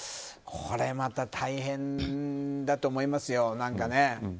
これまた大変だと思いますよ。